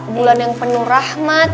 bulan yang penuh rahmat